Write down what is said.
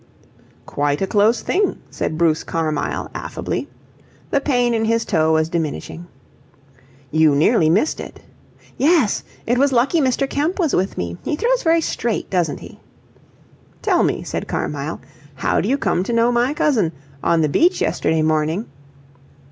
"Quite a close thing," said Bruce Carmyle, affably. The pain in his toe was diminishing. "You nearly missed it." "Yes. It was lucky Mr. Kemp was with me. He throws very straight, doesn't he." "Tell me," said Carmyle, "how do you come to know my Cousin? On the beach yesterday morning..."